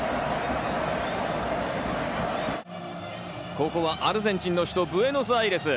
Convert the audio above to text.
ここはアルゼンチンの首都ブエノスアイレス。